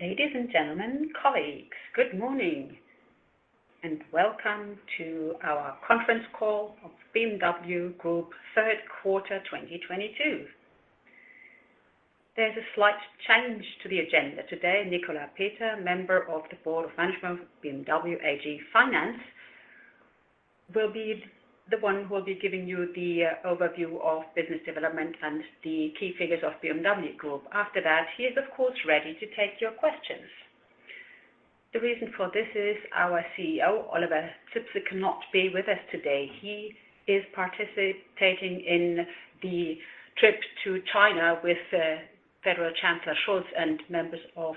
Ladies and gentlemen, colleagues, good morning, and welcome to our conference call of BMW Group third quarter 2022. There's a slight change to the agenda today. Nicolas Peter, Member of the Board of Management BMW AG Finance will be the one who will be giving you the overview of business development and the key figures of BMW Group. After that, he is, of course, ready to take your questions. The reason for this is our CEO, Oliver Zipse, cannot be with us today. He is participating in the trip to China with Federal Chancellor Scholz and members of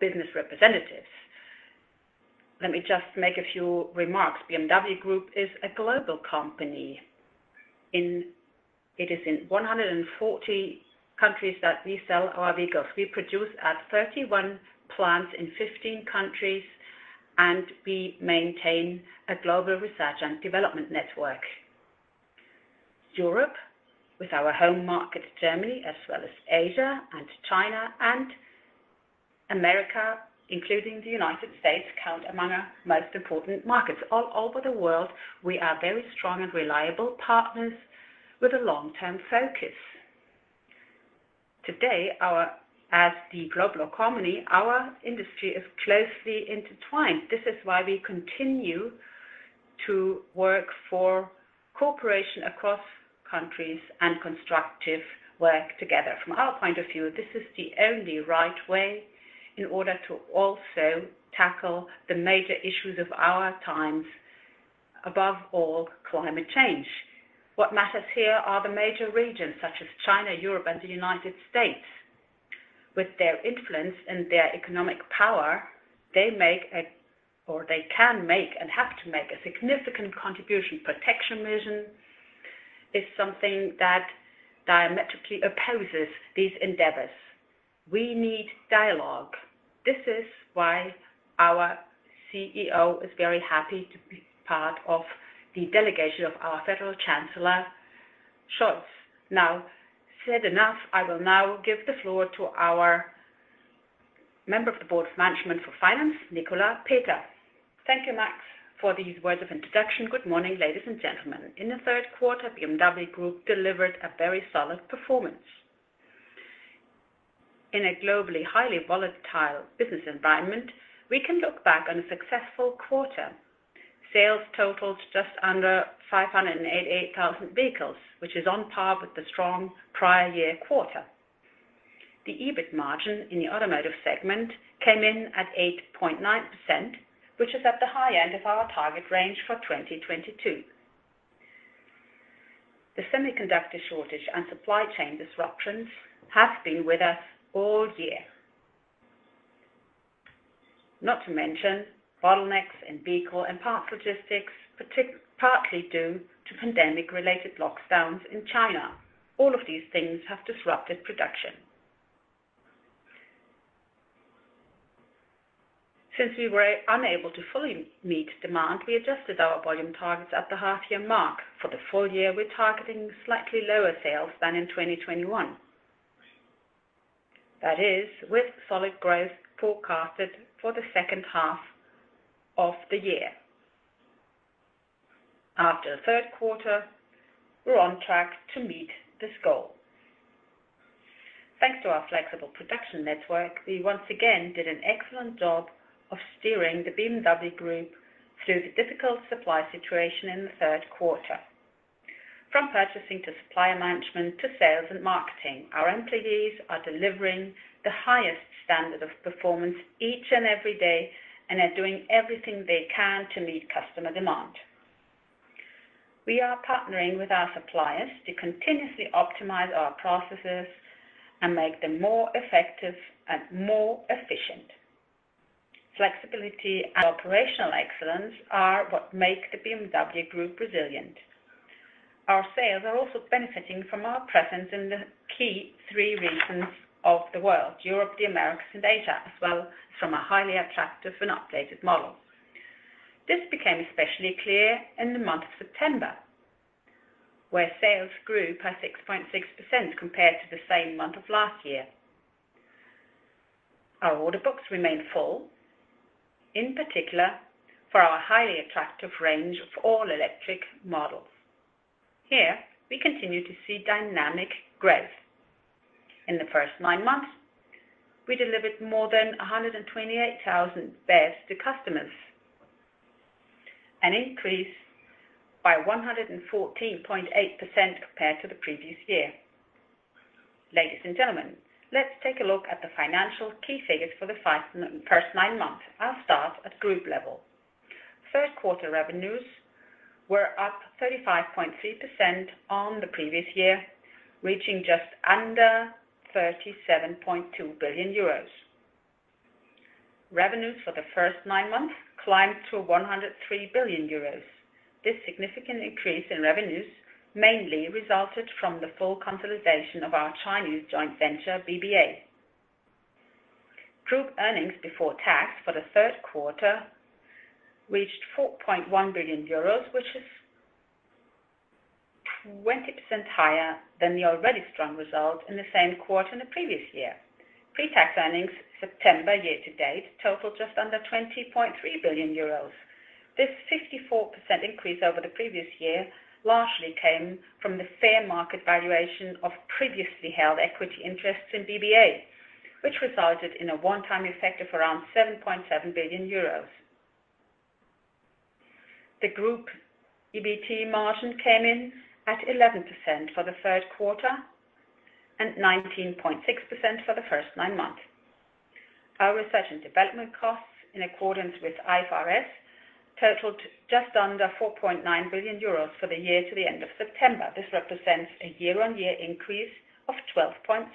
business representatives. Let me just make a few remarks. BMW Group is a global company, and it is in 140 countries that we sell our vehicles. We produce at 31 plants in 15 countries, and we maintain a global research and development network. Europe, with our home market, Germany, as well as Asia and China and America, including the United States, count among our most important markets. All over the world, we are very strong and reliable partners with a long-term focus. Today, as the global company, our industry is closely intertwined. This is why we continue to work for cooperation across countries and constructive work together. From our point of view, this is the only right way in order to also tackle the major issues of our times, above all, climate change. What matters here are the major regions such as China, Europe, and the United States. With their influence and their economic power, they make a, or they can make and have to make, a significant contribution. Protectionism is something that diametrically opposes these endeavors. We need dialogue. This is why our CEO is very happy to be part of the delegation of our Federal Chancellor Scholz. Now, said enough, I will now give the floor to our Member of the Board of Management for Finance, Nicolas Peter. Thank you, Max, for these words of introduction. Good morning, ladies and gentlemen. In the third quarter, BMW Group delivered a very solid performance. In a globally highly volatile business environment, we can look back on a successful quarter. Sales totaled just under 508,000 vehicles, which is on par with the strong prior year quarter. The EBIT margin in the Automotive segment came in at 8.9%, which is at the high end of our target range for 2022. The semiconductor shortage and supply chain disruptions have been with us all year. Not to mention, bottlenecks in vehicle and parts logistics, partly due to pandemic-related lockdowns in China. All of these things have disrupted production. Since we were unable to fully meet demand, we adjusted our volume targets at the half-year mark. For the full year, we're targeting slightly lower sales than in 2021. That is with solid growth forecasted for the second half of the year. After the third quarter, we're on track to meet this goal. Thanks to our flexible production network, we once again did an excellent job of steering the BMW Group through the difficult supply situation in the third quarter. From Purchasing to Supplier Management to Sales and Marketing, our employees are delivering the highest standard of performance each and every day and are doing everything they can to meet customer demand. We are partnering with our suppliers to continuously optimize our processes and make them more effective and more efficient. Flexibility and operational excellence are what make the BMW Group resilient. Our sales are also benefiting from our presence in the key three regions of the world, Europe, the Americas, and Asia, as well as from a highly attractive and updated model. This became especially clear in the month of September, where sales grew by 6.6% compared to the same month of last year. Our order books remain full, in particular, for our highly attractive range of all-electric models. Here, we continue to see dynamic growth. In the first nine months, we delivered more than 128,000 BEVs to customers, an increase by 114.8% compared to the previous year. Ladies and gentlemen, let's take a look at the financial key figures for the first nine months. I'll start at group level. Third quarter revenues were up 35.3% on the previous year, reaching just under 37.2 billion euros. Revenues for the first nine months climbed to 103 billion euros. This significant increase in revenues mainly resulted from the full consolidation of our Chinese joint venture, BBA. Group earnings before tax for the third quarter reached 4.1 billion euros, which is 20% higher than the already strong result in the same quarter in the previous year. Pre-tax earnings September year-to-date totaled just under 20.3 billion euros. This 54% increase over the previous year largely came from the fair market valuation of previously held equity interests in BBA, which resulted in a one-time effect of around 7.7 billion euros. The group EBT margin came in at 11% for the third quarter and 19.6% for the first nine months. Our research and development costs, in accordance with IFRS, totaled just under 4.9 billion euros for the year to the end of September. This represents a year-on-year increase of 12.6%.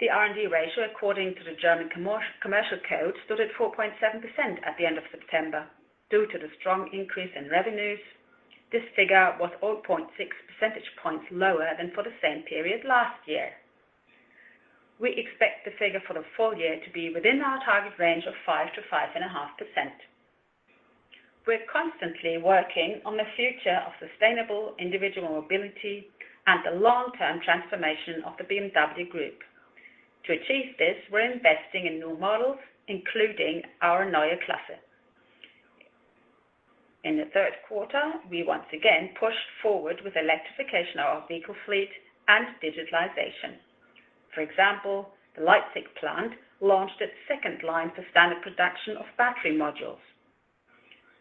The R&D ratio, according to the German Commercial Code, stood at 4.7% at the end of September. Due to the strong increase in revenues, this figure was 0.6 percentage points lower than for the same period last year. We expect the figure for the full year to be within our target range of 5%-5.5%. We're constantly working on the future of sustainable individual mobility and the long-term transformation of the BMW Group. To achieve this, we're investing in new models, including our Neue Klasse. In the third quarter, we once again pushed forward with electrification of our vehicle fleet and digitalization. For example, the Leipzig plant launched its second line for standard production of battery modules.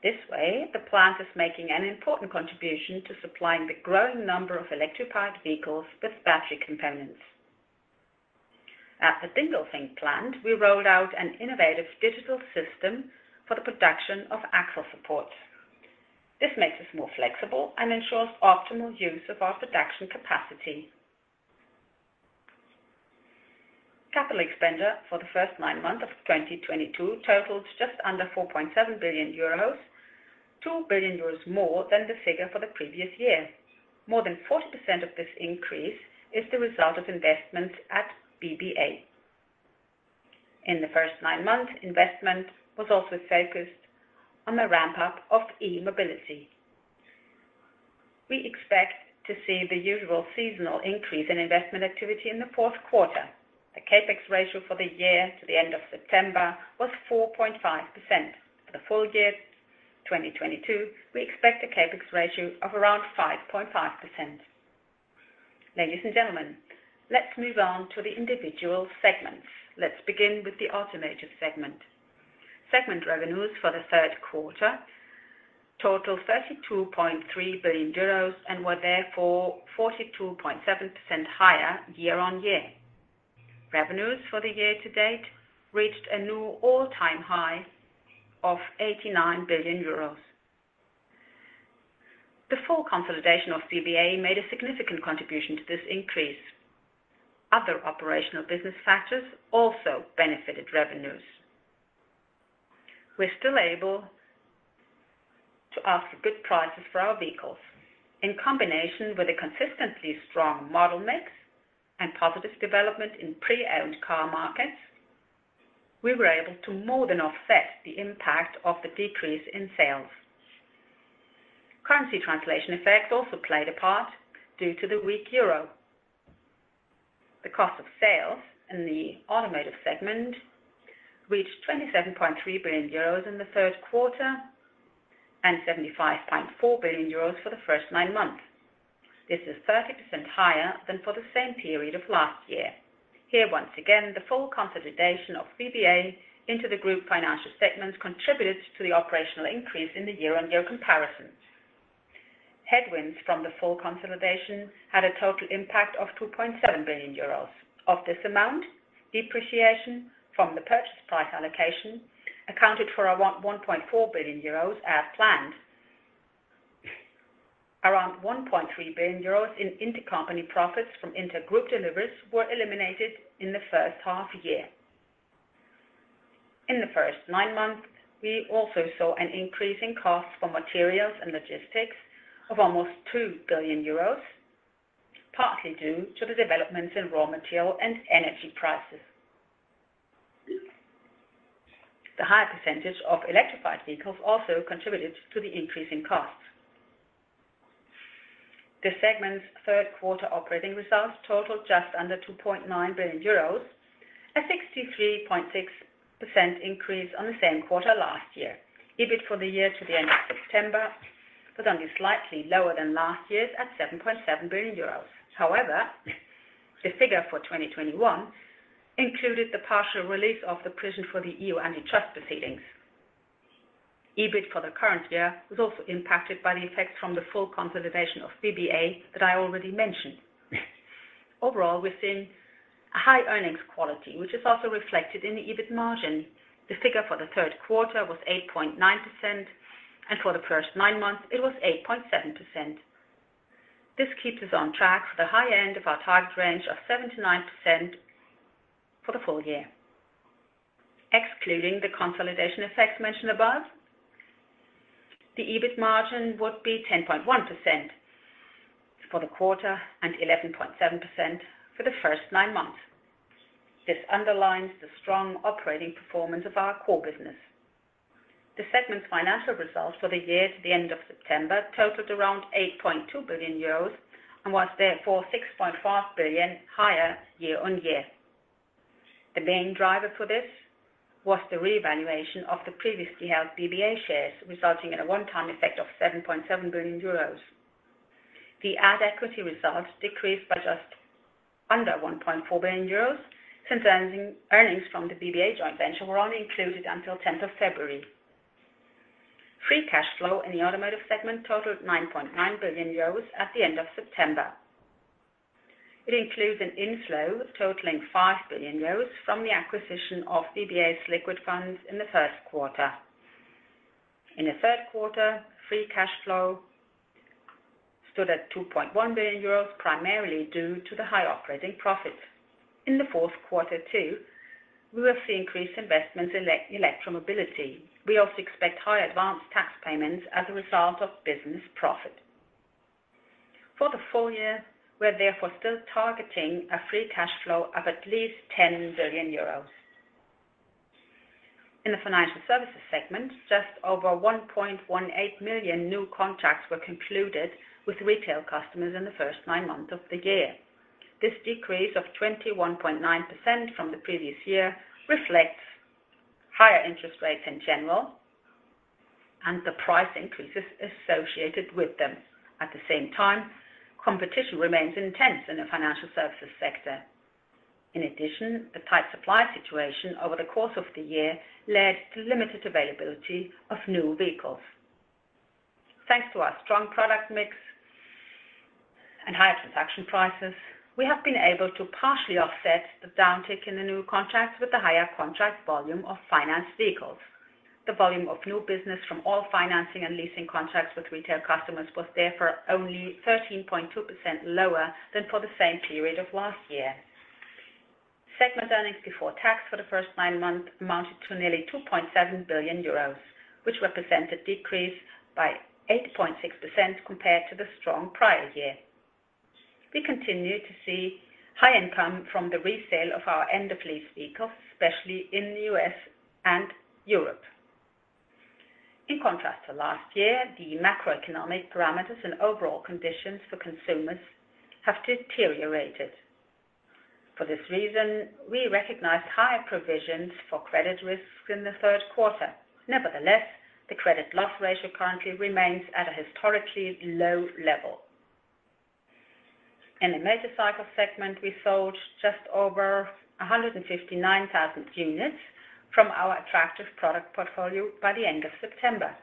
This way, the plant is making an important contribution to supplying the growing number of electrified vehicles with battery components. At the Dingolfing plant, we rolled out an innovative digital system for the production of axle support. This makes us more flexible and ensures optimal use of our production capacity. Capital expenditure for the first nine months of 2022 totaled just under 4.7 billion euros, 2 billion euros more than the figure for the previous year. More than 40% of this increase is the result of investment at BBA. In the first nine months, investment was also focused on the ramp-up of e-mobility. We expect to see the usual seasonal increase in investment activity in the fourth quarter. The CapEx ratio for the year to the end of September was 4.5%. For the full year 2022, we expect a CapEx ratio of around 5.5%. Ladies and gentlemen, let's move on to the individual segments. Let's begin with the Automotive segment. Segment revenues for the third quarter totaled 32.3 billion euros and were therefore 42.7% higher year-on-year. Revenues for the year-to-date reached a new all-time high of 89 billion euros. The full consolidation of BBA made a significant contribution to this increase. Other operational business factors also benefited revenues. We're still able to ask for good prices for our vehicles. In combination with a consistently strong model mix and positive development in pre-owned car markets, we were able to more than offset the impact of the decrease in sales. Currency translation effects also played a part due to the weak euro. The cost of sales in the Automotive segment reached 27.3 billion euros in the third quarter and 75.4 billion euros for the first nine months. This is 30% higher than for the same period of last year. Here, once again, the full consolidation of BBA into the group financial statements contributed to the operational increase in the year-on-year comparisons. Headwinds from the full consolidation had a total impact of 2.7 billion euros. Of this amount, depreciation from the purchase price allocation accounted for around 1.4 billion euros as planned. Around 1.3 billion euros in intercompany profits from inter-group deliveries were eliminated in the first half year. In the first nine months, we also saw an increase in costs for materials and logistics of almost 2 billion euros, partly due to the developments in raw material and energy prices. The higher percentage of electrified vehicles also contributed to the increase in costs. The segment's third quarter operating results totaled just under 2.9 billion euros, a 63.6% increase on the same quarter last year. EBIT for the year to the end of September was only slightly lower than last year's at 7.7 billion euros. However, the figure for 2021 included the partial release of the provision for the EU antitrust proceedings. EBIT for the current year was also impacted by the effects from the full consolidation of BBA that I already mentioned. Overall, we've seen a high earnings quality, which is also reflected in the EBIT margin. The figure for the third quarter was 8.9%, and for the first nine months, it was 8.7%. This keeps us on track for the high end of our target range of 7%-9% for the full year. Excluding the consolidation effects mentioned above, the EBIT margin would be 10.1% for the quarter and 11.7% for the first nine months. This underlines the strong operating performance of our core business. The segment's financial results for the year to the end of September totaled around 8.2 billion euros and was therefore 6.5 billion higher year-on-year. The main driver for this was the revaluation of the previously held BBA shares, resulting in a one-time effect of 7.7 billion euros. The at-equity results decreased by just under 1.4 billion euros since earnings from the BBA joint venture were only included until 10th of February. Free cash flow in the Automotive segment totaled 9.9 billion euros at the end of September. It includes an inflow totaling 5 billion euros from the acquisition of BBA's liquid funds in the first quarter. In the third quarter, free cash flow stood at 2.1 billion euros, primarily due to the high operating profits. In the fourth quarter too, we will see increased investments in electromobility. We also expect higher advance tax payments as a result of business profit. For the full year, we're therefore still targeting a free cash flow of at least 10 billion euros. In the financial services segment, just over 1.18 million new contracts were concluded with retail customers in the first nine months of the year. This decrease of 21.9% from the previous year reflects higher interest rates in general and the price increases associated with them. At the same time, competition remains intense in the Financial Services sector. In addition, the tight supply situation over the course of the year led to limited availability of new vehicles. Thanks to our strong product mix and higher transaction prices, we have been able to partially offset the downtick in the new contracts with the higher contract volume of financed vehicles. The volume of new business from all financing and leasing contracts with retail customers was therefore only 13.2% lower than for the same period of last year. Segment earnings before tax for the first nine months amounted to nearly 2.7 billion euros, which represented decrease by 8.6% compared to the strong prior year. We continue to see high income from the resale of our end-of-lease vehicles, especially in the U.S. and Europe. In contrast to last year, the macroeconomic parameters and overall conditions for consumers have deteriorated. For this reason, we recognized higher provisions for credit risks in the third quarter. Nevertheless, the credit loss ratio currently remains at a historically low level. In the Motorcycle segment, we sold just over 159,000 units from our attractive product portfolio by the end of September.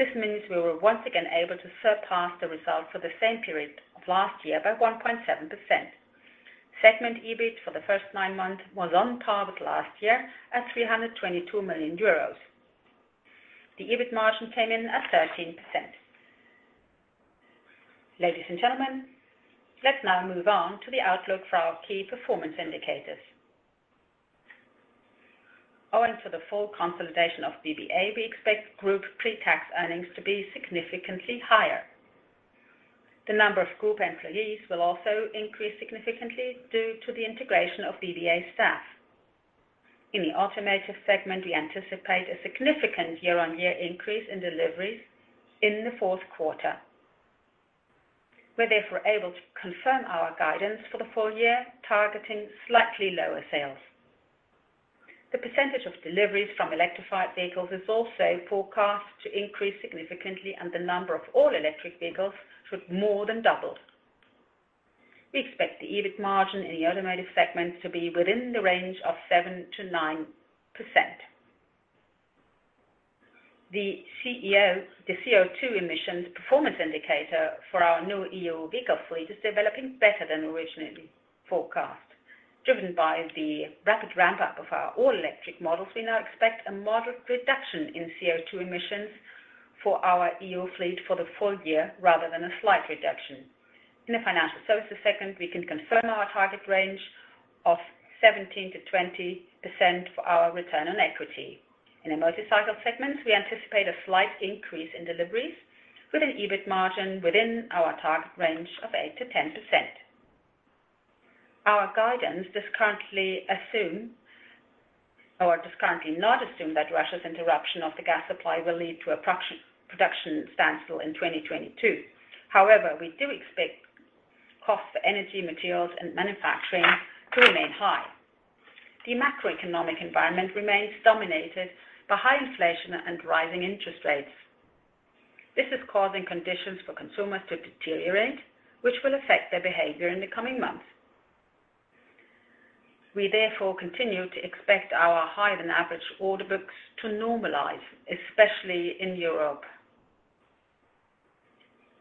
This means we were once again able to surpass the results for the same period of last year by 1.7%. Segment EBIT for the first nine months was on par with last year at 322 million euros. The EBIT margin came in at 13%. Ladies and gentlemen, let's now move on to the outlook for our key performance indicators. Owing to the full consolidation of BBA, we expect group pretax earnings to be significantly higher. The number of group employees will also increase significantly due to the integration of BBA staff. In the Automotive segment, we anticipate a significant year-on-year increase in deliveries in the fourth quarter. We're therefore able to confirm our guidance for the full year, targeting slightly lower sales. The percentage of deliveries from electrified vehicles is also forecast to increase significantly, and the number of all-electric vehicles should more than double. We expect the EBIT margin in the Automotive segment to be within the range of 7%-9%. The CO2 emissions performance indicator for our new EU vehicle fleet is developing better than originally forecast. Driven by the rapid ramp-up of our all-electric models, we now expect a moderate reduction in CO2 emissions for our EU fleet for the full year rather than a slight reduction. In the financial services segment, we can confirm our target range of 17%-20% for our return on equity. In the motorcycle segment, we anticipate a slight increase in deliveries with an EBIT margin within our target range of 8%-10%. Our guidance does currently assume or does currently not assume that Russia's interruption of the gas supply will lead to a production standstill in 2022. However, we do expect costs for energy, materials, and manufacturing to remain high. The macroeconomic environment remains dominated by high inflation and rising interest rates. This is causing conditions for consumers to deteriorate, which will affect their behavior in the coming months. We therefore continue to expect our higher-than-average order books to normalize, especially in Europe.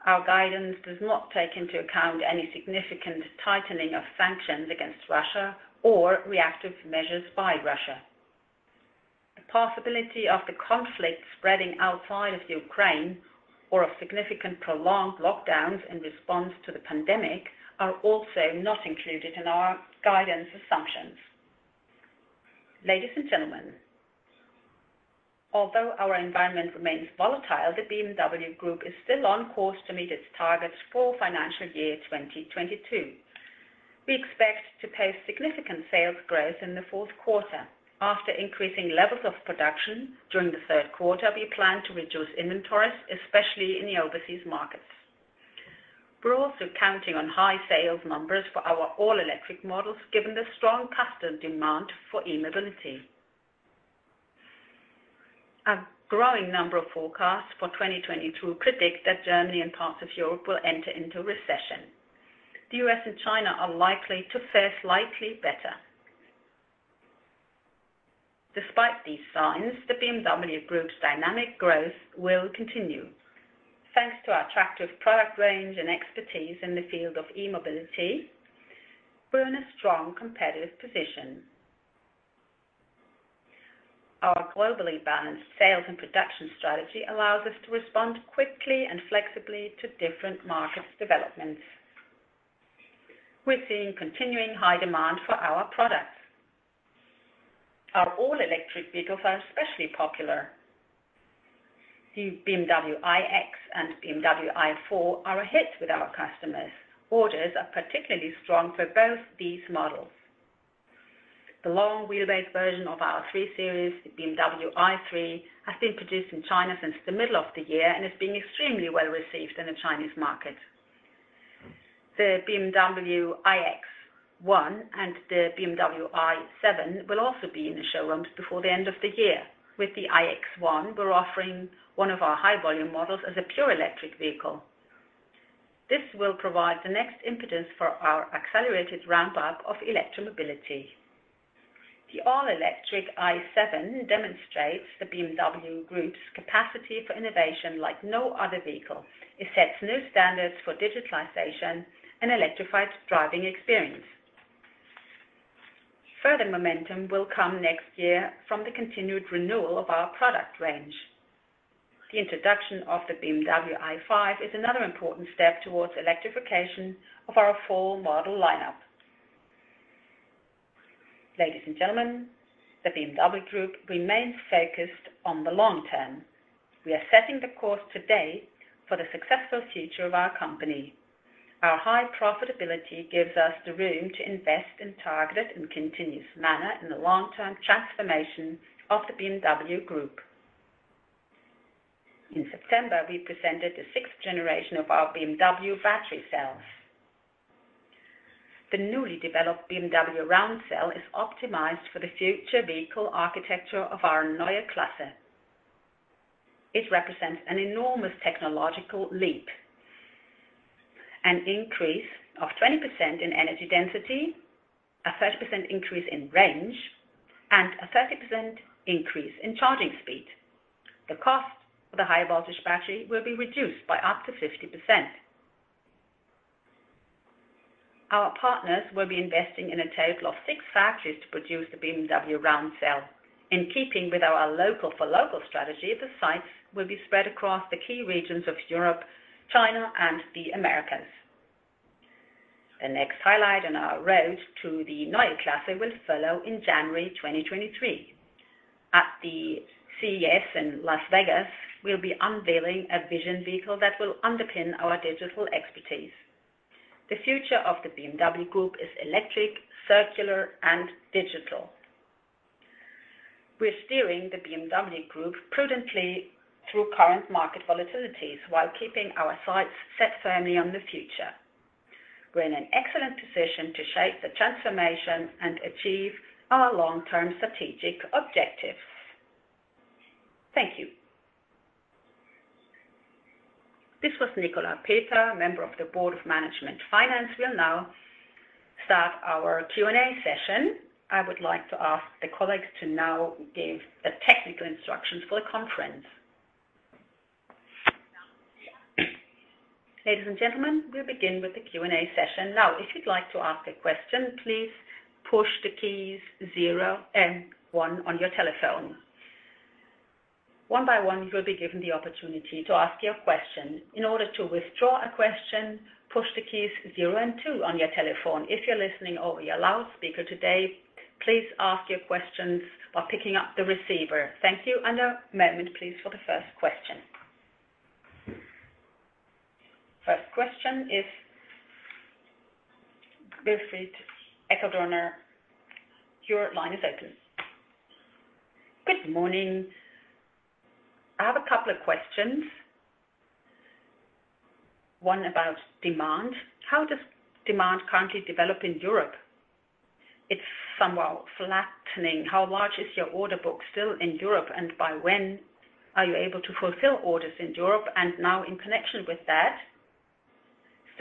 Our guidance does not take into account any significant tightening of sanctions against Russia or reactive measures by Russia. The possibility of the conflict spreading outside of Ukraine or of significant prolonged lockdowns in response to the pandemic are also not included in our guidance assumptions. Ladies and gentlemen. Although our environment remains volatile, the BMW Group is still on course to meet its targets for financial year 2022. We expect to post significant sales growth in the fourth quarter. After increasing levels of production during the third quarter, we plan to reduce inventories, especially in the overseas markets. We're also counting on high sales numbers for our all-electric models, given the strong customer demand for e-mobility. A growing number of forecasts for 2022 predict that Germany and parts of Europe will enter into recession. The U.S. and China are likely to fare slightly better. Despite these signs, the BMW Group's dynamic growth will continue. Thanks to our attractive product range and expertise in the field of e-mobility, we're in a strong competitive position. Our globally balanced sales and production strategy allows us to respond quickly and flexibly to different market developments. We're seeing continuing high demand for our products. Our all-electric vehicles are especially popular. The BMW iX and BMW i4 are a hit with our customers. Orders are particularly strong for both these models. The long-wheelbase version of our 3 Series, the BMW i3, has been produced in China since the middle of the year and is being extremely well-received in the Chinese market. The BMW iX1 and the BMW i7 will also be in the showrooms before the end of the year. With the iX1, we're offering one of our high-volume models as a pure electric vehicle. This will provide the next impetus for our accelerated ramp-up of electromobility. The all-electric i7 demonstrates the BMW Group's capacity for innovation like no other vehicle. It sets new standards for digitalization and electrified driving experience. Further momentum will come next year from the continued renewal of our product range. The introduction of the BMW i5 is another important step towards electrification of our full model lineup. Ladies and gentlemen, the BMW Group remains focused on the long term. We are setting the course today for the successful future of our company. Our high profitability gives us the room to invest in targeted and continuous manner in the long-term transformation of the BMW Group. In September, we presented the sixth generation of our BMW battery cells. The newly developed BMW round cell is optimized for the future vehicle architecture of our Neue Klasse. It represents an enormous technological leap, an increase of 20% in energy density, a 30% increase in range, and a 30% increase in charging speed. The cost of the high voltage battery will be reduced by up to 50%. Our partners will be investing in a total of six factories to produce the BMW round cell. In keeping with our local for local strategy, the sites will be spread across the key regions of Europe, China, and the Americas. The next highlight on our road to the Neue Klasse will follow in January 2023. At the CES in Las Vegas, we'll be unveiling a vision vehicle that will underpin our digital expertise. The future of the BMW Group is electric, circular, and digital. We're steering the BMW Group prudently through current market volatilities while keeping our sights set firmly on the future. We're in an excellent position to shape the transformation and achieve our long-term strategic objectives. Thank you. This was Nicolas Peter, Member of the Board of Management, Finance. We'll now start our Q&A session. I would like to ask the colleagues to now give the technical instructions for the conference. Ladies and gentlemen, we begin with the Q&A session now. If you'd like to ask a question, please push the keys zero and one on your telephone. One by one, you will be given the opportunity to ask your question. In order to withdraw a question, push the keys zero and two on your telephone. If you're listening over your loudspeaker today, please ask your questions by picking up the receiver. Thank you, and a moment, please, for the first question. First question is Wilfried Eckl-Dorna. Your line is open. Good morning. I have a couple of questions. One about demand. How does demand currently develop in Europe? It's somewhat flattening. How large is your order book still in Europe? And by when are you able to fulfill orders in Europe? Now in connection with that,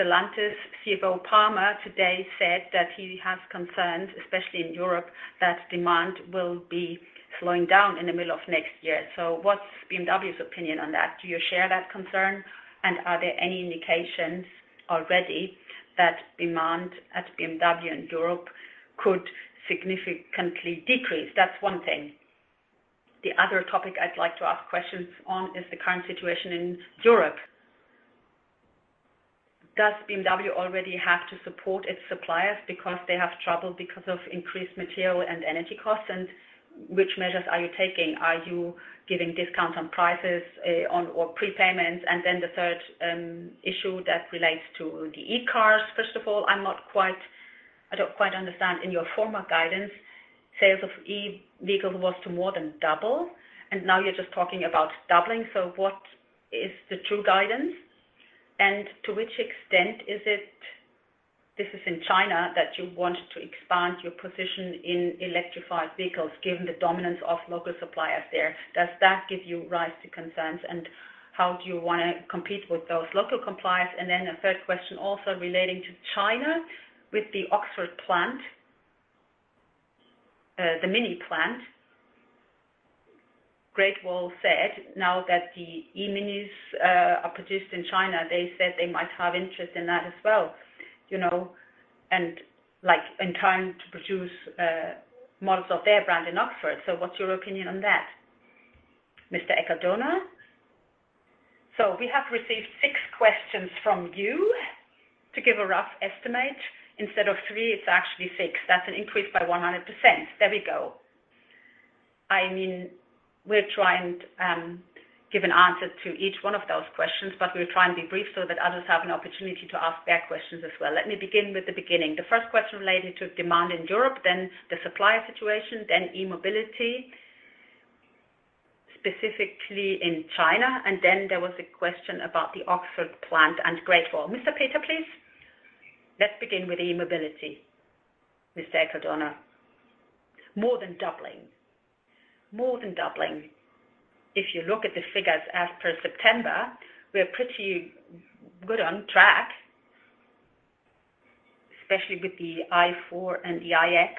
Stellantis CEO Carlos Tavares today said that he has concerns, especially in Europe, that demand will be slowing down in the middle of next year. What's BMW's opinion on that? Do you share that concern? Are there any indications already that demand at BMW in Europe could significantly decrease? That's one thing. The other topic I'd like to ask questions on is the current situation in Europe. Does BMW already have to support its suppliers because they have trouble because of increased material and energy costs? And which measures are you taking? Are you giving discounts on prices, on or prepayments? And then the third issue that relates to the E-cars. First of all, I don't quite understand, in your former guidance, sales of E-vehicles was to more than double, and now you're just talking about doubling. What is the true guidance? And to which extent is it, this is in China, that you want to expand your position in electrified vehicles given the dominance of local suppliers there? Does that give rise to concerns? And how do you want to compete with those local suppliers? And then a third question also relating to China with the Oxford plant, the MINI plant. Great Wall Motor said now that the E-MINIs are produced in China, they said they might have interest in that as well, you know, and like, in trying to produce models of their brand in Oxford. What's your opinion on that? Mr. Eckl-Dorna, we have received six questions from you to give a rough estimate. Instead of three, it's actually six. That's an increase by 100%. There we go. I mean, we'll try and give an answer to each one of those questions, but we'll try and be brief so that others have an opportunity to ask their questions as well. Let me begin with the beginning. The first question related to demand in Europe, then the supplier situation, then E-mobility, specifically in China. Then there was a question about the Oxford plant and Great Wall Motor. Mr. Peter, please. Let's begin with E-mobility, Mr. Eckl-Dorna. More than doubling. If you look at the figures as per September, we are pretty good on track, especially with the i4 and the iX,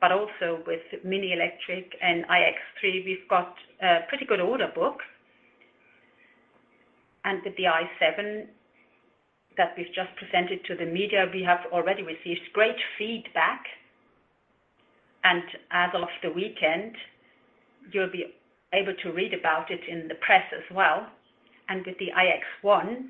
but also with MINI Electric and iX3, we've got a pretty good order book. With the i7 that we've just presented to the media, we have already received great feedback. As of the weekend, you'll be able to read about it in the press as well. With the iX1,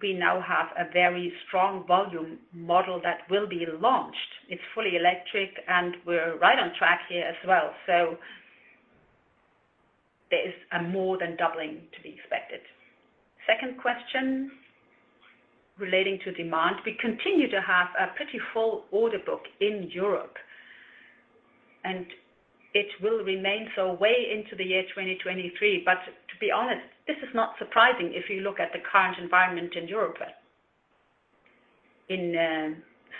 we now have a very strong volume model that will be launched. It's fully electric, and we're right on track here as well. There is a more than doubling to be expected. Second question relating to demand. We continue to have a pretty full order book in Europe, and it will remain so way into the year 2023. To be honest, this is not surprising if you look at the current environment in Europe. In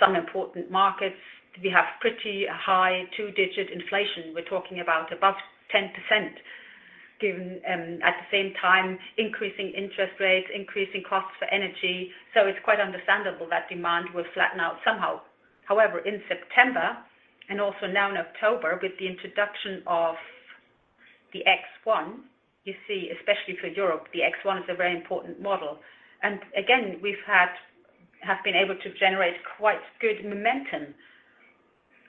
some important markets, we have pretty high two-digit inflation. We're talking about above 10% given at the same time, increasing interest rates, increasing costs for energy. It's quite understandable that demand will flatten out somehow. However, in September and also now in October, with the introduction of the X1, you see, especially for Europe, the X1 is a very important model. Again, we have been able to generate quite good momentum.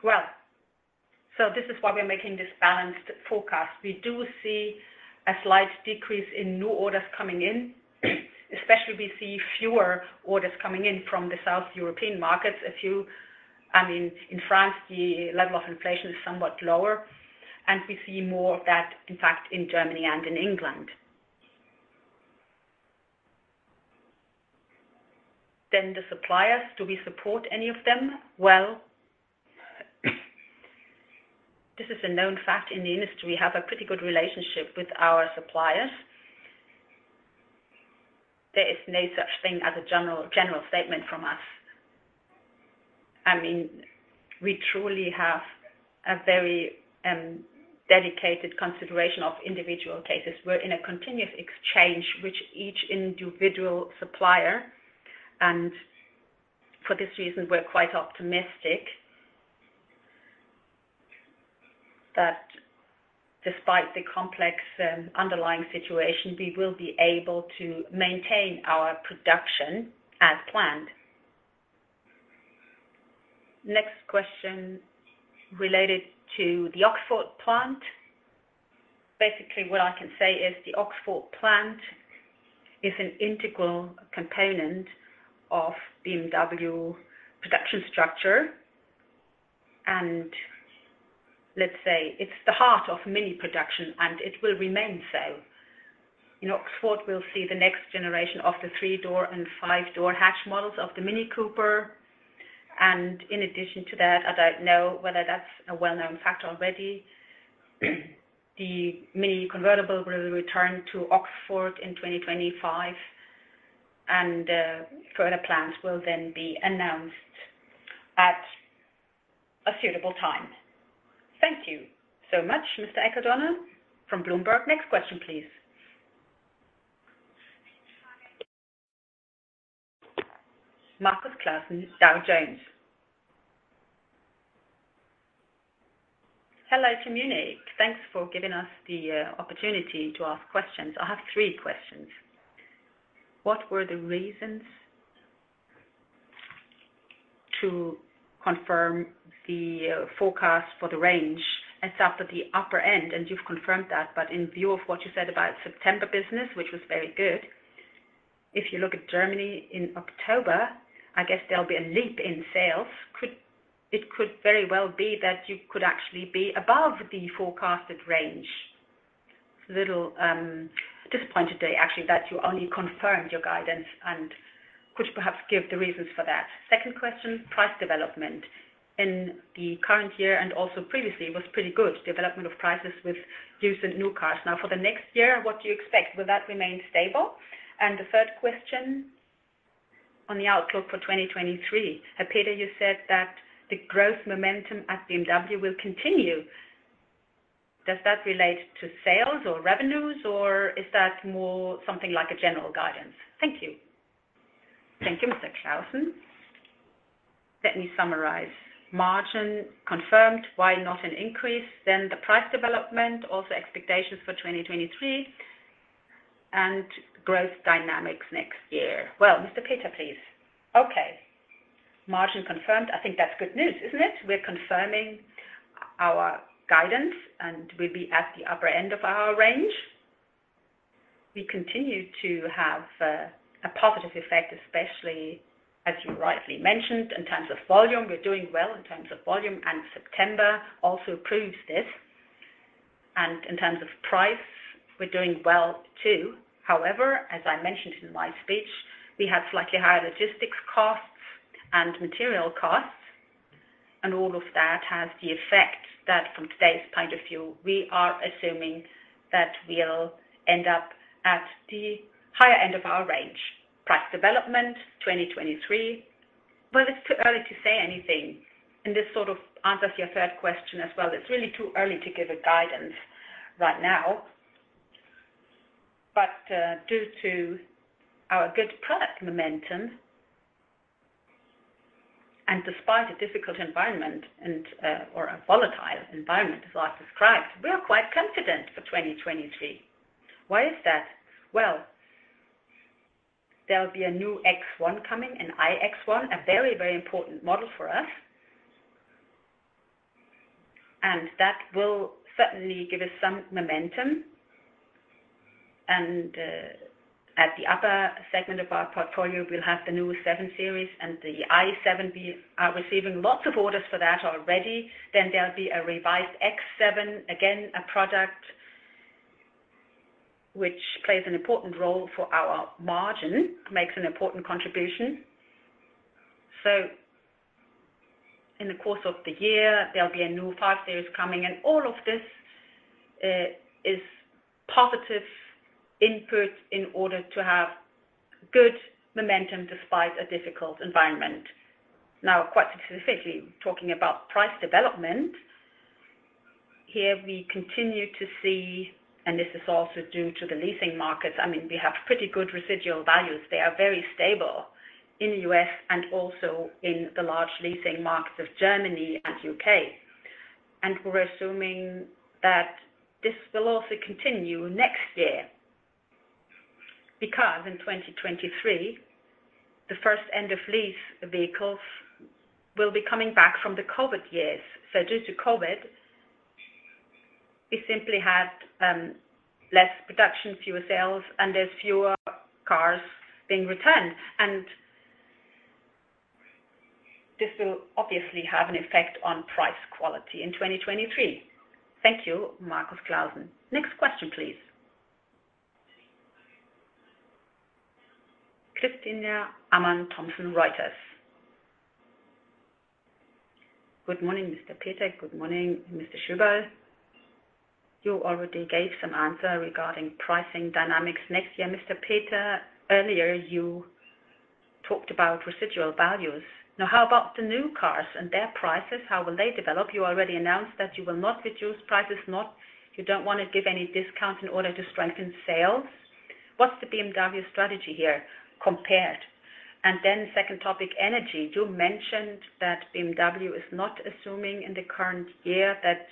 Well, this is why we're making this balanced forecast. We do see a slight decrease in new orders coming in. Especially, we see fewer orders coming in from the South European markets. I mean, in France, the level of inflation is somewhat lower, and we see more of that, in fact, in Germany and in England. The suppliers, do we support any of them? Well, this is a known fact in the industry. We have a pretty good relationship with our suppliers. There is no such thing as a general statement from us. I mean, we truly have a very dedicated consideration of individual cases. We're in a continuous exchange with each individual supplier. For this reason, we're quite optimistic that despite the complex underlying situation, we will be able to maintain our production as planned. Next question related to the Oxford plant. Basically, what I can say is the Oxford plant is an integral component of BMW production structure. Let's say it's the heart of MINI production, and it will remain so. In Oxford, we'll see the next generation of the three-door and five-door hatch models of the MINI Cooper. In addition to that, I don't know whether that's a well-known fact already, the MINI Convertible will return to Oxford in 2025, and further plans will then be announced at a suitable time. Thank you so much, Mr. Eckl-Dorna from Bloomberg. Next question, please. Markus Klausen, Dow Jones. Hello to Munich. Thanks for giving us the opportunity to ask questions. I have three questions. What were the reasons to confirm the forecast for the range ends up at the upper end, and you've confirmed that. In view of what you said about September business, which was very good, if you look at Germany in October, I guess there'll be a leap in sales. It could very well be that you could actually be above the forecasted range. A little disappointed today, actually, that you only confirmed your guidance and could perhaps give the reasons for that. Second question, price development in the current year and also previously was pretty good, development of prices with used and new cars. Now, for the next year, what do you expect? Will that remain stable? The third question on the outlook for 2023. Now, Peter, you said that the growth momentum at BMW will continue. Does that relate to sales or revenues, or is that more something like a general guidance? Thank you. Thank you, Mr. Klausen. Let me summarize. Margin confirmed. Why not an increase? Then the price development, also expectations for 2023, and growth dynamics next year. Well, Mr. Peter, please. Okay. Margin confirmed. I think that's good news, isn't it? We're confirming our guidance, and we'll be at the upper end of our range. We continue to have a positive effect, especially as you rightly mentioned, in terms of volume. We're doing well in terms of volume, and September also proves this. In terms of price, we're doing well, too. However, as I mentioned in my speech, we have slightly higher logistics costs and material costs, and all of that has the effect that from today's point of view, we are assuming that we'll end up at the higher end of our range. Price development, 2023. Well, it's too early to say anything, and this sort of answers your third question as well. It's really too early to give a guidance right now. Due to our good product momentum and despite a difficult environment or a volatile environment, as I described, we are quite confident for 2023. Why is that? Well, there'll be a new X1 coming, an iX1, a very, very important model for us and that will certainly give us some momentum. At the upper segment of our portfolio, we'll have the new 7 Series, and the i7, we are receiving lots of orders for that already. There'll be a revised X7, again, a product which plays an important role for our margin, makes an important contribution. In the course of the year, there'll be a new 5 Series coming. All of this is positive input in order to have good momentum despite a difficult environment. Now, quite specifically, talking about price development, here we continue to see, and this is also due to the leasing markets. I mean, we have pretty good residual values. They are very stable in the U.S. and also in the large leasing markets of Germany and U.K. We're assuming that this will also continue next year because in 2023, the first end-of-lease vehicles will be coming back from the COVID years. Due to COVID, we simply had less production, fewer sales, and there's fewer cars being returned. This will obviously have an effect on price quality in 2023. Thank you, Markus Clausen. Next question, please. Christina Amann, Thomson Reuters. Good morning, Mr. Peter. Good morning, Mr. Schöberl. You already gave some answer regarding pricing dynamics next year. Mr. Peter, earlier you talked about residual values. Now, how about the new cars and their prices? How will they develop? You already announced that you will not reduce prices. You don't want to give any discount in order to strengthen sales. What's the BMW strategy here compared? Then second topic, energy. You mentioned that BMW is not assuming in the current year that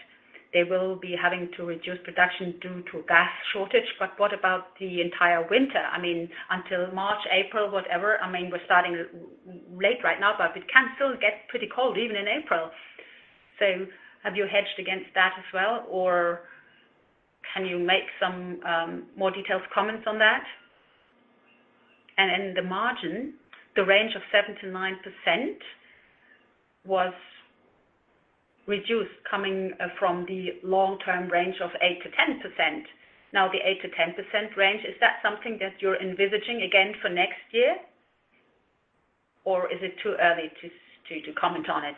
they will be having to reduce production due to gas shortage. What about the entire winter? I mean, until March, April, whatever. I mean, we're starting late right now, but it can still get pretty cold even in April. Have you hedged against that as well, or can you make some more detailed comments on that? In the margin, the range of 7%-9% was reduced coming from the long-term range of 8%-10%. Now, the 8%-10% range, is that something that you're envisaging again for next year, or is it too early to comment on it?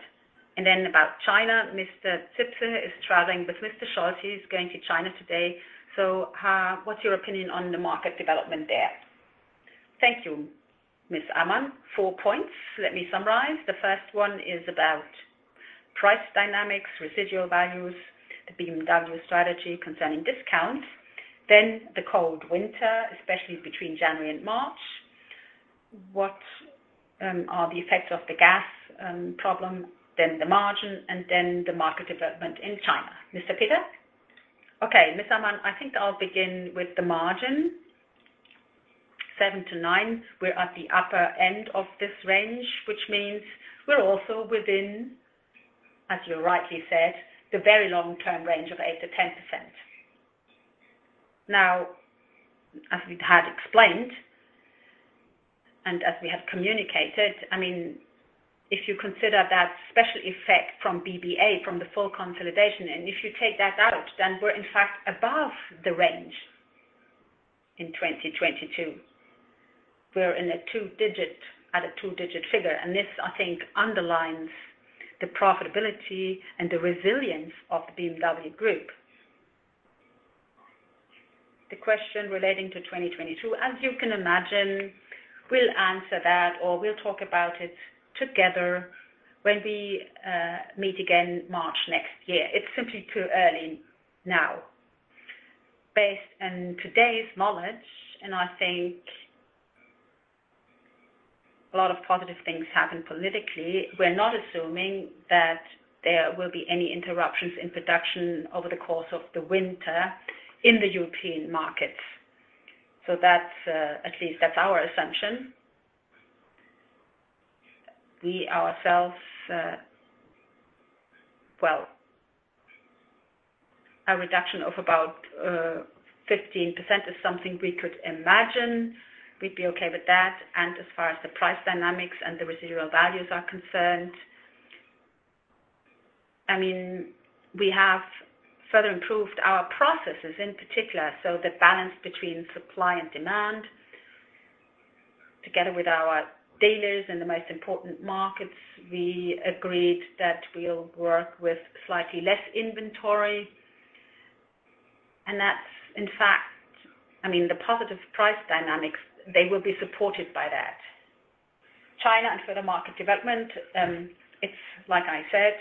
Then about China, Mr. Zipse is traveling with Mr. Scholz. He's going to China today. What's your opinion on the market development there? Thank you, Ms. Amann. Four points. Let me summarize. The first one is about price dynamics, residual values, the BMW strategy concerning discounts, then the cold winter, especially between January and March. What are the effects of the gas problem, then the margin, and then the market development in China. Mr. Peter. Okay, Ms. Amann, I think I'll begin with the margin. 7%-9%, we're at the upper end of this range, which means we're also within, as you rightly said, the very long-term range of 8%-10%. Now, as we had explained and as we have communicated, I mean, if you consider that special effect from BBA, from the full consolidation, and if you take that out, then we're in fact above the range in 2022. We're in a two-digit at a two-digit figure, and this, I think, underlines the profitability and the resilience of the BMW Group. The question relating to 2022, as you can imagine, we'll answer that or we'll talk about it together when we meet again March next year. It's simply too early now. Based on today's knowledge, I think a lot of positive things happen politically, we're not assuming that there will be any interruptions in production over the course of the winter in the European markets. That's, at least, that's our assumption. We ourselves, well, a reduction of about 15% is something we could imagine. We'd be okay with that. As far as the price dynamics and the residual values are concerned, I mean, we have further improved our processes in particular, so the balance between supply and demand. Together with our dealers in the most important markets, we agreed that we'll work with slightly less inventory. That's in fact, I mean, the positive price dynamics. They will be supported by that. China and further market development, it's like I said,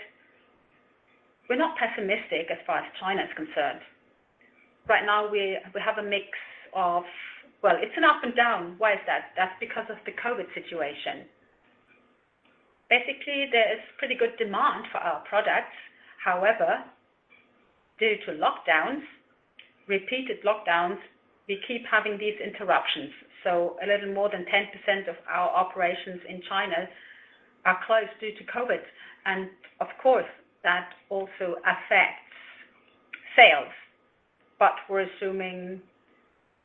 we're not pessimistic as far as China is concerned. Right now we have a mix. Well, it's an up and down. Why is that? That's because of the COVID situation. Basically, there's pretty good demand for our products. However, due to lockdowns, repeated lockdowns, we keep having these interruptions. A little more than 10% of our operations in China are closed due to COVID. Of course, that also affects sales. We're assuming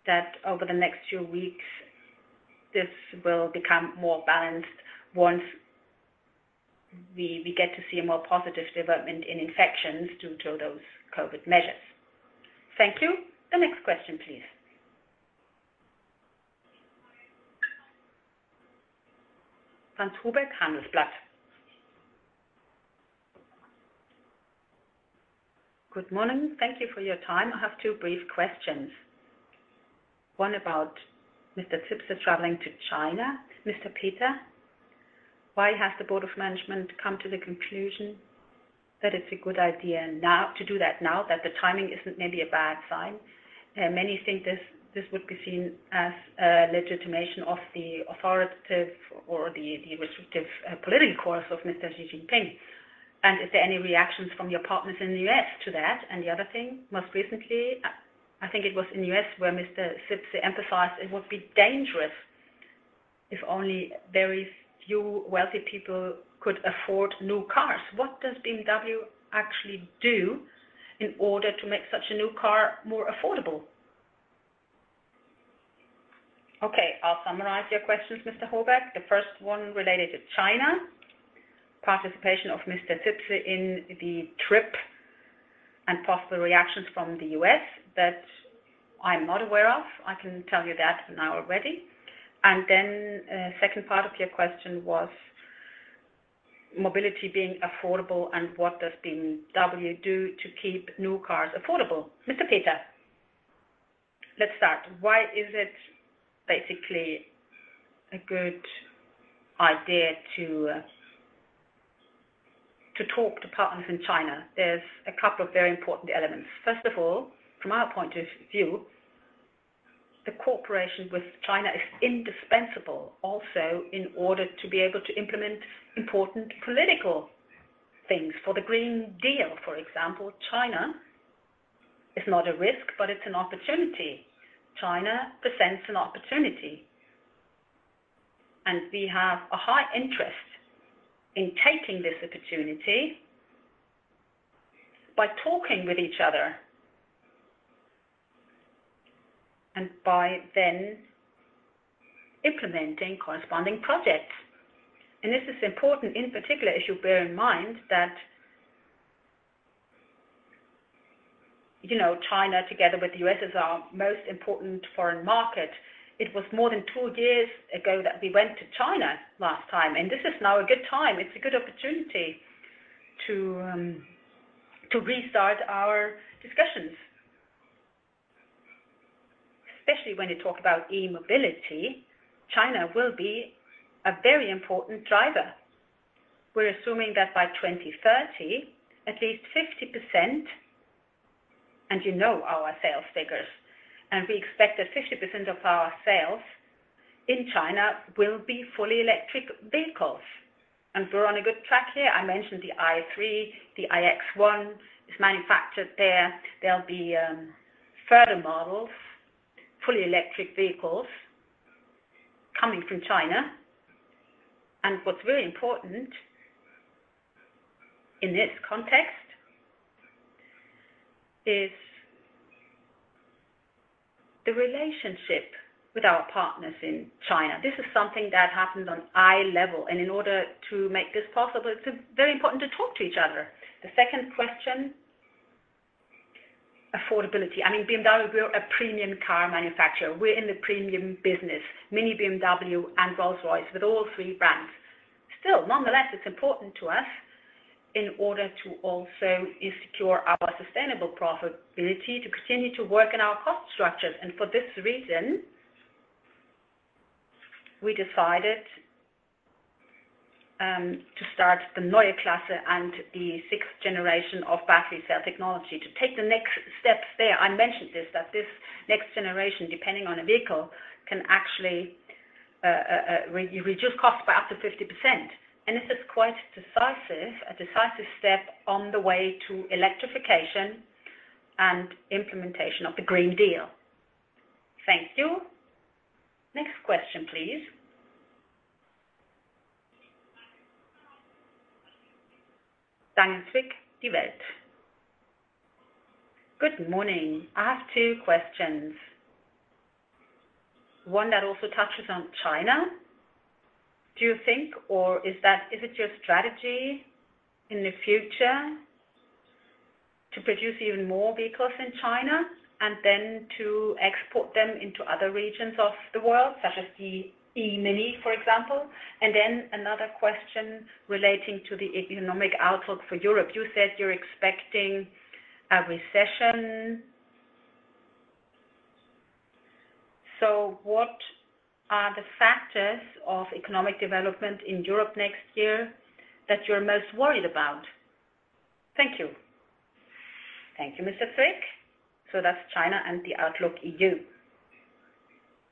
that over the next few weeks, this will become more balanced once we get to see a more positive development in infections due to those COVID measures. Thank you. The next question, please. Vann Hubbert, Handelsblatt. Good morning. Thank you for your time. I have two brief questions. One about Mr. Zipse traveling to China. Mr. Peter, why has the board of management come to the conclusion that it's a good idea now to do that now, that the timing isn't maybe a bad sign? Many think this would be seen as a legitimation of the authoritative or the restrictive political course of Mr. Xi Jinping. Is there any reactions from your partners in the U.S. to that? The other thing, most recently, I think it was in U.S. where Mr. Zipse emphasized it would be dangerous if only very few wealthy people could afford new cars. What does BMW actually do in order to make such a new car more affordable? Okay, I'll summarize your questions, Mr. Hubbert. The first one related to China, participation of Mr. Zipse in the trip and possible reactions from the U.S., that I'm not aware of. I can tell you that now already. Second part of your question was mobility being affordable and what does BMW do to keep new cars affordable. Mr. Peter. Let's start. Why is it basically a good idea to talk to partners in China? There's a couple of very important elements. First of all, from our point of view, the cooperation with China is indispensable also in order to be able to implement important political things for the Green Deal, for example. China is not a risk, but it's an opportunity. China presents an opportunity, and we have a high interest in taking this opportunity by talking with each other and by then implementing corresponding projects. This is important, in particular, as you bear in mind that, you know, China together with the U.S. is our most important foreign market. It was more than two years ago that we went to China last time, and this is now a good time. It's a good opportunity to restart our discussions. Especially when you talk about e-mobility, China will be a very important driver. We're assuming that by 2030, at least 50%, and you know our sales figures, and we expect that 50% of our sales in China will be fully electric vehicles. We're on a good track here. I mentioned the i3, the iX1 is manufactured there. There'll be further models, fully electric vehicles coming from China. What's really important in this context is the relationship with our partners in China. This is something that happens on eye level, and in order to make this possible, it's very important to talk to each other. The second question, affordability. I mean, BMW, we're a premium car manufacturer. We're in the premium business, MINI, BMW and Rolls-Royce, with all three brands. Still, nonetheless, it's important to us in order to also secure our sustainable profitability to continue to work in our cost structures. For this reason, we decided to start the Neue Klasse and the 6th generation of battery cell technology to take the next steps there. I mentioned this, that this next generation, depending on a vehicle, can actually reduce cost by up to 50%. This is quite decisive, a decisive step on the way to electrification and implementation of the Green Deal. Thank you. Next question, please. Daniel Zwick, Die Welt. Good morning. I have two questions. One that also touches on China. Do you think, or is that, is it your strategy in the future to produce even more vehicles in China and then to export them into other regions of the world, such as the E-MINI, for example? Another question relating to the economic outlook for Europe. You said you're expecting a recession. What are the factors of economic development in Europe next year that you're most worried about? Thank you. Thank you, Mr. Zwick. That's China and the outlook EU.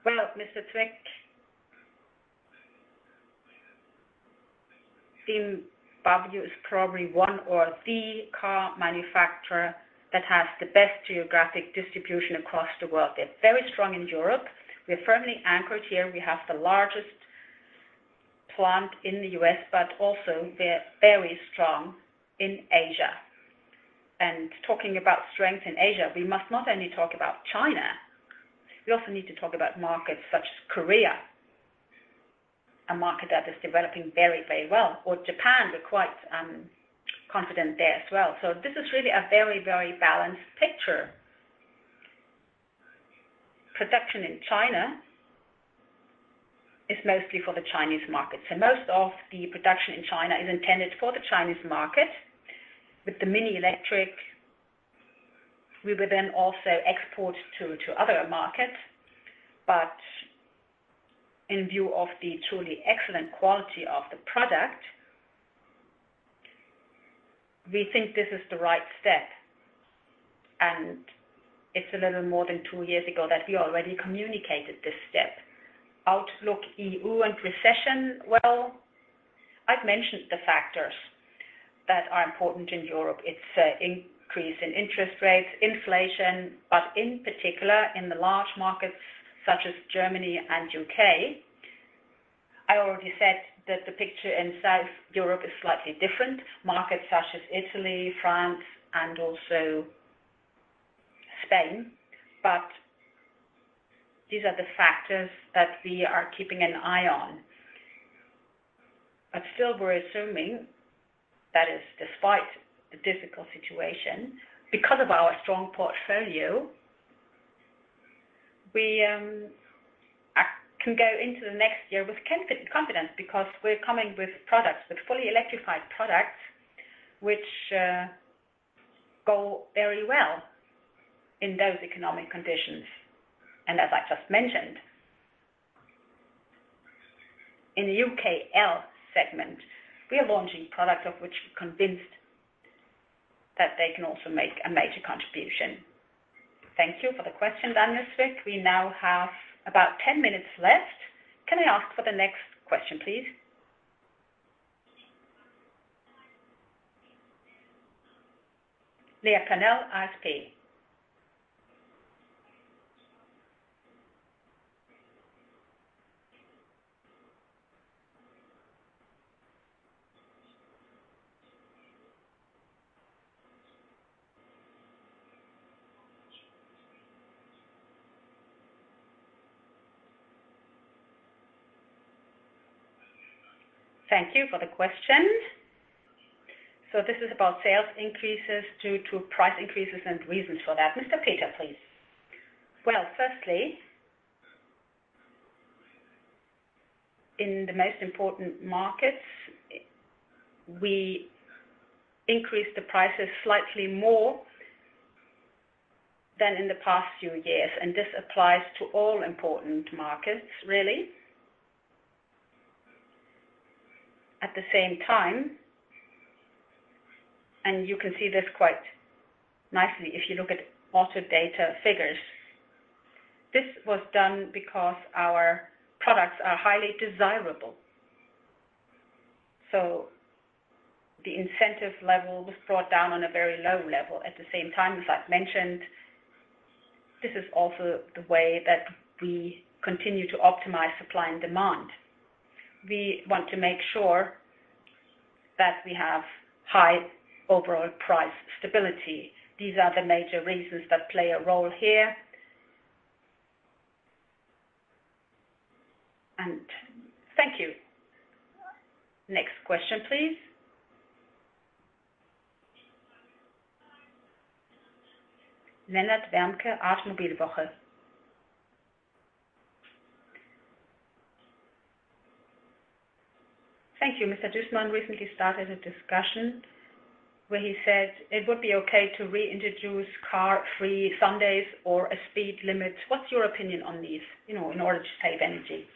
Well, Mr. Zwick, BMW is probably one of the car manufacturers that has the best geographic distribution across the world. We're very strong in Europe. We're firmly anchored here. We have the largest plant in the U.S., but also we're very strong in Asia. Talking about strength in Asia, we must not only talk about China, we also need to talk about markets such as Korea, a market that is developing very, very well, or Japan, we're quite confident there as well. This is really a very, very balanced picture. Production in China is mostly for the Chinese market. Most of the production in China is intended for the Chinese market. With the MINI Electric, we will then also export to other markets. In view of the truly excellent quality of the product, we think this is the right step, and it's a little more than two years ago that we already communicated this step. Outlook E.U. and recession. Well, I've mentioned the factors that are important in Europe. It's increase in interest rates, inflation, but in particular in the large markets such as Germany and U.K. I already said that the picture in South Europe is slightly different, markets such as Italy, France, and also Spain. These are the factors that we are keeping an eye on. Still we're assuming that despite the difficult situation, because of our strong portfolio, we can go into the next year with confidence because we're coming with products, with fully electrified products, which go very well in those economic conditions. As I just mentioned, in the UKL segment, we are launching products of which we're convinced that they can also make a major contribution. Thank you for the question, Daniel Zwick. We now have about 10 minutes left. Can I ask for the next question, please? Lea Kanell, RP. Thank you for the question. So this is about sales increases due to price increases and reasons for that. Mr. Peter, please. Well, firstly, in the most important markets, we increased the prices slightly more than in the past few years, and this applies to all important markets, really. At the same time, you can see this quite nicely if you look at Autodata figures. This was done because our products are highly desirable. So the incentive level was brought down on a very low level. At the same time, as I've mentioned, this is also the way that we continue to optimize supply and demand. We want to make sure that we have high overall price stability. These are the major reasons that play a role here. Thank you. Next question, please. Lennart Wermke, Automobilwoche. Thank you. Mr. Duesmann recently started a discussion where he said it would be okay to reintroduce car-free Sundays or a speed limit. What's your opinion on these, you know, in order to save energy?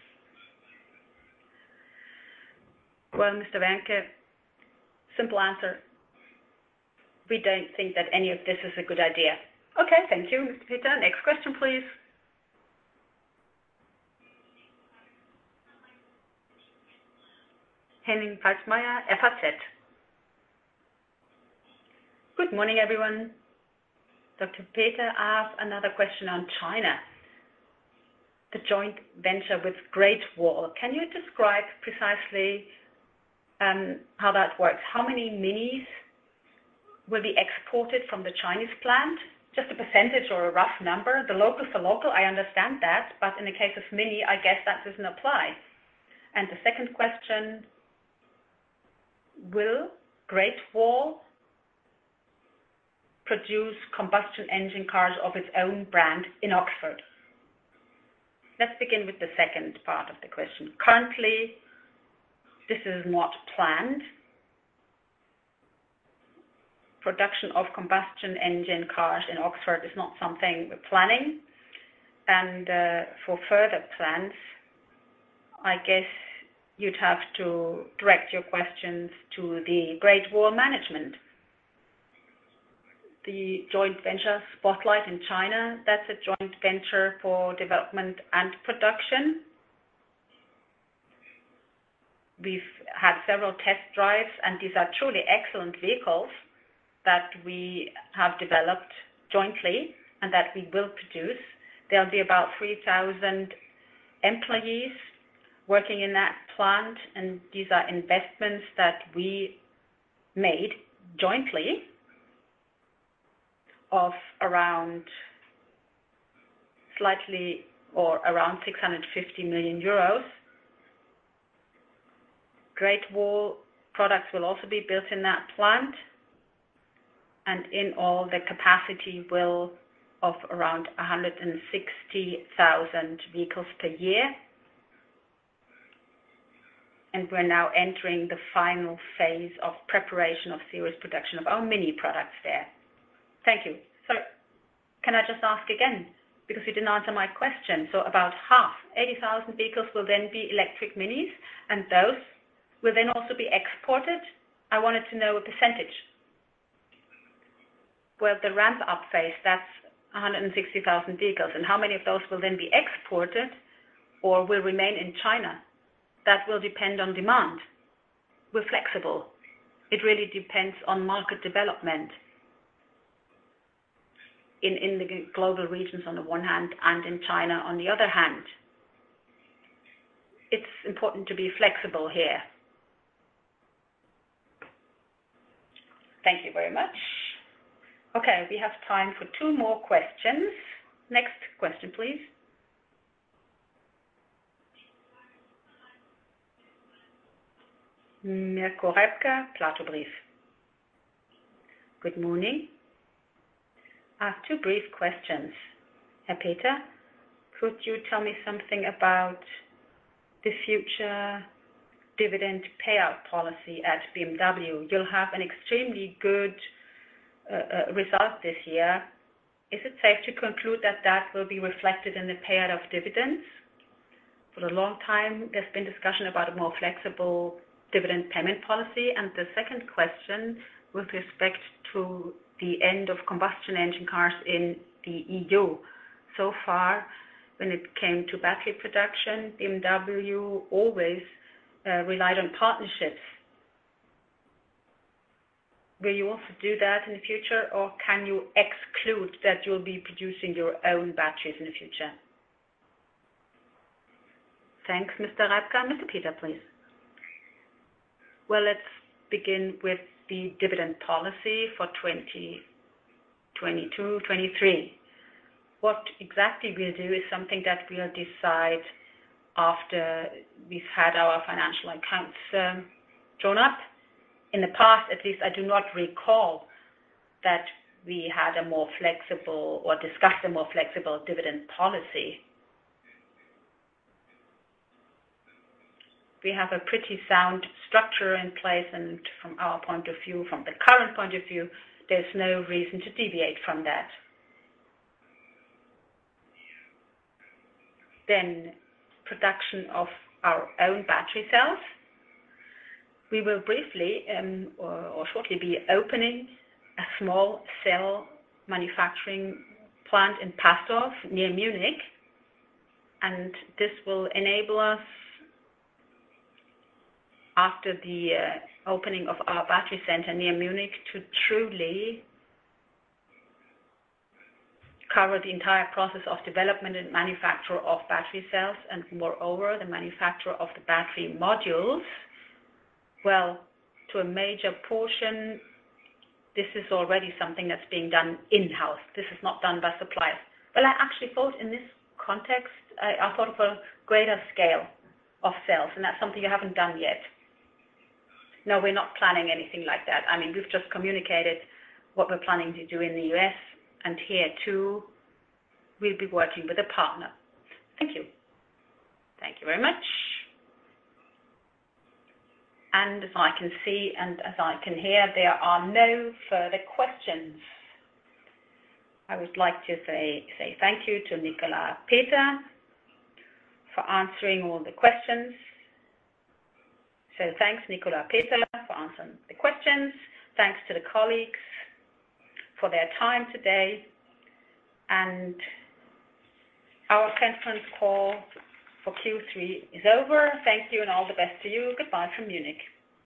Well, Mr. Wermke, simple answer, we don't think that any of this is a good idea. Okay. Thank you, Mr. Peter. Next question, please. Henning Peitsmeier, FAZ. Good morning, everyone. Dr. Peter, I have another question on China, the joint venture with Great Wall. Can you describe precisely how that works? How many MINIs will be exported from the Chinese plant? Just a percentage or a rough number. The local for local, I understand that, but in the case of MINI, I guess that doesn't apply. The second question, will Great Wall produce combustion engine cars of its own brand in Oxford? Let's begin with the second part of the question. Currently, this is not planned. Production of combustion engine cars in Oxford is not something we're planning. For further plans, I guess you'd have to direct your questions to the Great Wall management. The joint venture spotlight in China, that's a joint venture for development and production. We've had several test drives, and these are truly excellent vehicles that we have developed jointly and that we will produce. There'll be about 3,000 employees working in that plant, and these are investments that we made jointly of around slightly or around 650 million euros. Great Wall products will also be built in that plant, and in all, the capacity will of around 160,000 vehicles per year. We're now entering the final phase of preparation of serious production of our MINI products there. Thank you. Can I just ask again, because you didn't answer my question. About half, 80,000 vehicles will then be electric MINIs, and those will then also be exported. I wanted to know a percentage. The ramp-up phase, that's 160,000 vehicles. How many of those will then be exported or will remain in China? That will depend on demand. We're flexible. It really depends on market development in the global regions on the one hand and in China on the other hand. It's important to be flexible here. Thank you very much. We have time for two more questions. Next question, please. Mirko Reipka, Platow Brief. Good morning. I have two brief questions. Mr. Peter, could you tell me something about the future dividend payout policy at BMW? You'll have an extremely good result this year. Is it safe to conclude that that will be reflected in the payout of dividends? For a long time, there's been discussion about a more flexible dividend payment policy. The second question with respect to the end of combustion engine cars in the EU. Far when it came to battery production, BMW always relied on partnerships. Will you also do that in the future, or can you exclude that you'll be producing your own batteries in the future? Thanks, Mr. Reipka. Mr. Peter, please. Well, let's begin with the dividend policy for 2022, 2023. What exactly we'll do is something that we'll decide after we've had our financial accounts drawn up. In the past at least, I do not recall that we had a more flexible or discussed a more flexible dividend policy. We have a pretty sound structure in place, and from our point of view, from the current point of view, there's no reason to deviate from that. Production of our own battery cells. We will briefly or shortly be opening a small cell manufacturing plant in Parsdorf near Munich, and this will enable us, after the opening of our battery center near Munich, to truly cover the entire process of development and manufacture of battery cells and moreover, the manufacture of the battery modules. Well, to a major portion, this is already something that's being done in-house. This is not done by suppliers. Well, I actually thought in this context, I thought of a greater scale of sales, and that's something you haven't done yet. No, we're not planning anything like that. I mean, we've just communicated what we're planning to do in the U.S., and here too, we'll be working with a partner. Thank you. Thank you very much. As I can see and as I can hear, there are no further questions. I would like to say thank you to Nicolas Peter for answering all the questions. Thanks, Nicolas Peter, for answering the questions. Thanks to the colleagues for their time today. Our conference call for Q3 is over. Thank you and all the best to you. Goodbye from Munich.